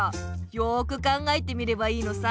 よく考えてみればいいのさ。